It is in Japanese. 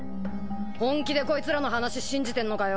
本気でこいつらの話信じてんのかよ？